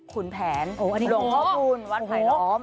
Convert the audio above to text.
คุณแผนหลวงพระบูรณ์วัฒนภายล้อม